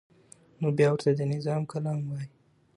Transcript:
نو بیا ورته د نظم کلام وایی